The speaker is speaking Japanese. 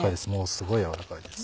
すごい軟らかいです。